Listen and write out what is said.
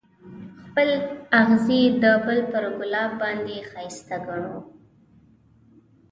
خپل اغزی یې د بل پر ګلاب باندې ښایسته ګڼلو.